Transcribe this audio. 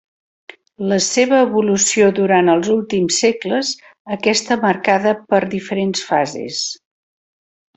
La seva evolució durant els últims segles aquesta marcada per diferents fases.